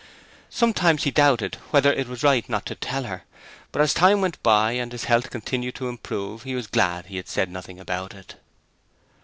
Sometimes he doubted whether it was right not to tell her, but as time went by and his health continued to improve he was glad he had said nothing about it.